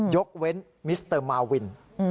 ยกเว้นมิสเตอร์มาวิน